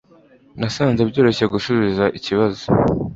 nasanze byoroshye gusubiza ikibazo